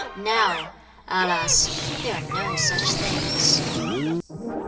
Now, alas! there are no such things.'